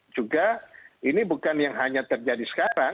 juga ini bukan yang hanya terjadi sekarang